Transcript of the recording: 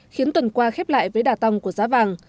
khiến tuần qua khép lại với đà tăng của giá vàng